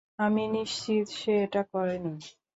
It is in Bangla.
আমি নিশ্চিত সে এটা করেনি।